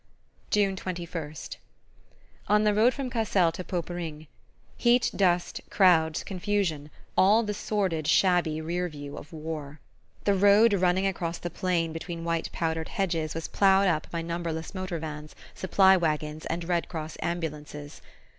June 21st. On the road from Cassel to Poperinghe. Heat, dust, crowds, confusion, all the sordid shabby rear view of war. The road running across the plain between white powdered hedges was ploughed up by numberless motor vans, supply waggons and Red Cross ambulances.